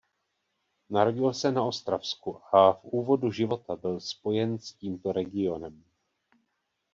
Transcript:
Narodil se na Ostravsku a v úvodu života byl spojen s tímto regionem.